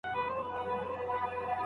ایا بهرني سوداګر وچ انار پلوري؟